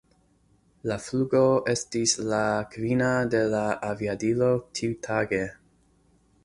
La flugo estis la kvina de la aviadilo tiutage.